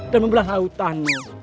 dan membelah lautan